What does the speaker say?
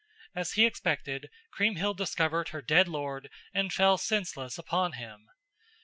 As he expected, Kriemhild discovered her dead lord and fell senseless upon him.